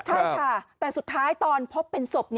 ใช่ค่ะแต่สุดท้ายตอนพบเป็นศพ